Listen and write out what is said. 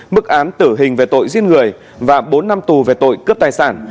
mức án tử hình về tội giết người và bốn năm tù về tội cướp tài sản